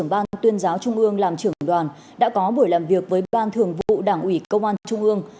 đoàn kiểm tra số một trăm bốn mươi ba của ban tuyên giáo trung ương làm trưởng đoàn đã có buổi làm việc với ban thường vụ đảng ủy công an trung ương